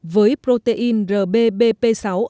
với protein rbbp sáu